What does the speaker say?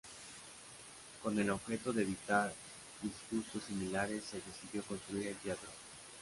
Con el objeto de evitar disgustos similares, se decidió construir el teatro.